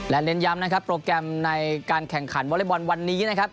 และเน้นย้ำนะครับโปรแกรมในการแข่งขันวอเล็กบอลวันนี้นะครับ